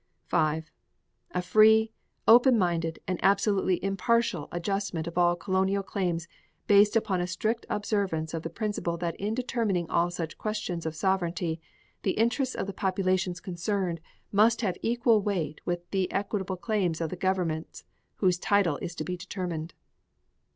5. A free, open minded and absolutely impartial adjustment of all Colonial claims based upon a strict observance of the principle that in determining all such questions of sovereignty, the interests of the populations concerned must have equal weight with the equitable claims of the government whose title is to be determined.